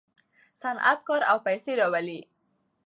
صنعت کار او پیسې راوړي.